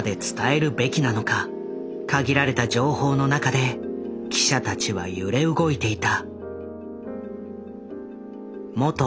限られた情報の中で記者たちは揺れ動いていた。